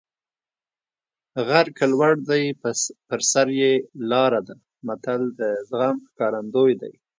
غر که لوړ دی په سر یې لاره ده متل د زغم ښکارندوی دی